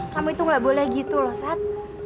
kamu itu gak boleh gitu loh sat